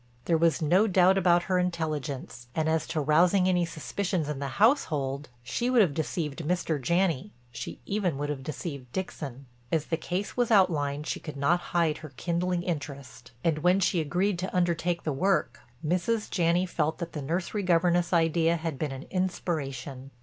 There was no doubt about her intelligence and as to rousing any suspicions in the household—she would have deceived Mr. Janney—she even would have deceived Dixon. As the case was outlined she could not hide her kindling interest and, when she agreed to undertake the work, Mrs. Janney felt that the nursery governess idea had been an inspiration.